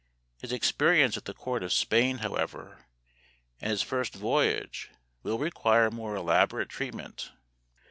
His experience at the court of Spain, however, and his first voyage will require more elaborate treatment.